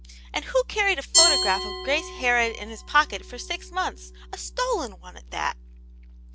" And who carried a photograph of Grace Harrod in his pocket for six months ; a stolen one at that